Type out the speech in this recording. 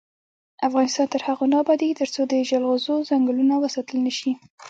افغانستان تر هغو نه ابادیږي، ترڅو د جلغوزو ځنګلونه وساتل نشي.